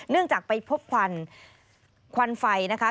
เนื่องจากไปพบควันควันไฟนะคะ